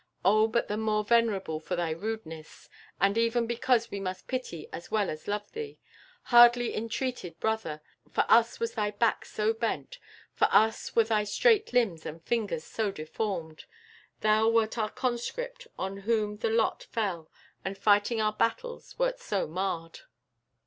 O, but the more venerable for thy rudeness, and even because we must pity as well as love thee! Hardly entreated Brother! For us was thy back so bent, for us were thy straight limbs and fingers so deformed; thou wert our Conscript on whom the lot fell, and fighting our battles wert so marred."